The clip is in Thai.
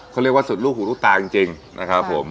เขาเรียกว่าสุดลูกหูลูกตาจริงนะครับผม